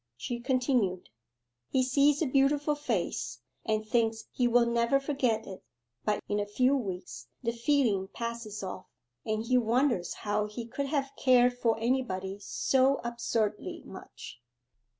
She continued 'He sees a beautiful face and thinks he will never forget it, but in a few weeks the feeling passes off, and he wonders how he could have cared for anybody so absurdly much.